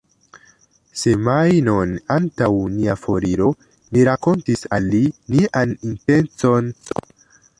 Semajnon antaŭ nia foriro mi rakontis al li nian intencon.